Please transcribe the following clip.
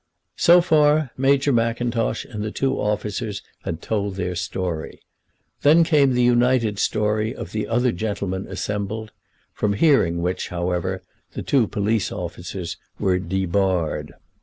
So far, Major Mackintosh and the two officers had told their story. Then came the united story of the other gentlemen assembled, from hearing which, however, the two police officers were debarred.